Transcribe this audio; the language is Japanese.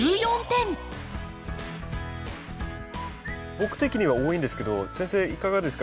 僕的には多いんですけど先生いかがですか？